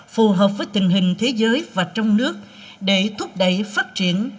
phù hợp với tình hình thế giới và trong nước để thúc đẩy phát triển